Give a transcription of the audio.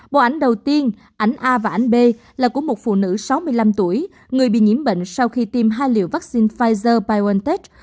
bộ ảnh đầu tiên ảnh a và ảnh b là của một phụ nữ sáu mươi năm tuổi người bị nhiễm bệnh sau khi tiêm hai liều vaccine pfizer biontech